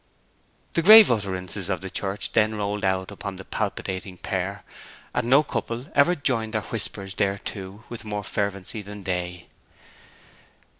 The grave utterances of the church then rolled out upon the palpitating pair, and no couple ever joined their whispers thereto with more fervency than they.